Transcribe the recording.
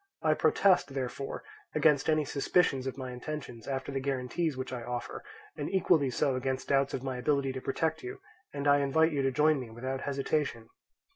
I protest, therefore, against any suspicions of my intentions after the guarantees which I offer, and equally so against doubts of my ability to protect you, and I invite you to join me without hesitation.